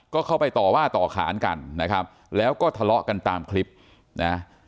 ก็เข้าไปต่อว่าต่อขานกันนะครับแล้วก็ทะเลาะกันตามคลิปนะ